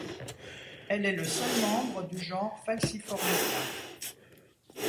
Elle est le seul membre du genre Falsiformica.